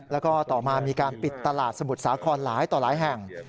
แล้วก็ต่อมามีการปิดตลาดสมุทรสาครหลายต่อหลายแห่ง